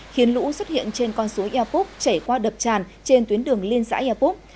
khiến lũ xuất hiện trên con sối epoch chảy qua đập tràn trên tuyến đường liên xã epoch